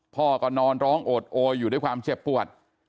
พ่อก็นอนร้องโอดโอยอยู่ด้วยความเจ็บปวด